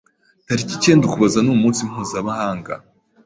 Tariki icyenda Ukuboza ni umunsi mpuzamahanga